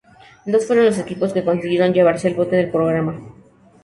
Dos fueron los equipos que consiguieron llevarse el bote del programa.